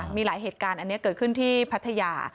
มีหลายเหตุการณ์อันนี้เกิดขึ้นที่พัทยา